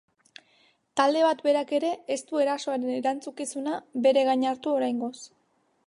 Talde bat berak ere ez du erasoaren erantzukizuna bere gain hartu oraingoz.